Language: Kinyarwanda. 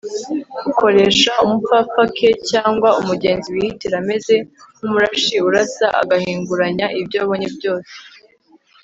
ukoresha umupfapfa k cyangwa umugenzi wihitira ameze nk umurashi urasa agahinguranya ibyo abonye byose